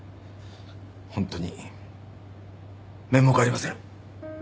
ホントに面目ありません。